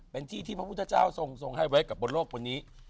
เป็นที่ที่พระพุทธเจ้าทรงทรงให้ไว้กับบนโลกคนนี้